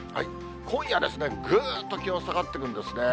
今夜ですね、ぐーっと気温下がってくるんですね。